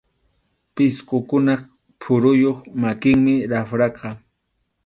Pisqukunap phuruyuq makinmi rapraqa.